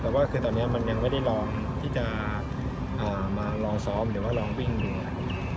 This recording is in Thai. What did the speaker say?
แต่ว่าคือตอนนี้มันยังไม่ได้ลองที่จะมาลองซ้อมหรือว่าลองวิ่งดู